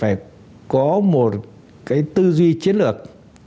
phải có một cái tư duy chiến lược